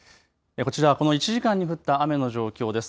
こちら、この１時間に降った雨の状況です。